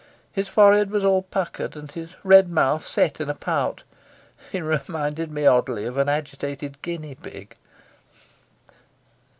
His forehead was all puckered, and his red mouth set in a pout. He reminded me oddly of an agitated guinea pig.